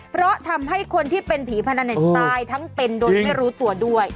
เพราะทำให้คนที่เป็นผีพนันเนี่ยตายทั้งเป็นโดยไม่รู้ตัวด้วย